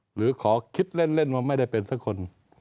หรือขอคิดเล่นว่าไม่ได้เป็นสักคน